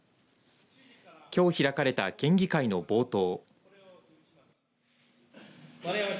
きょう開かれた県議会の冒頭。